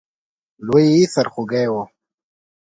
لوی سرخوږی وو.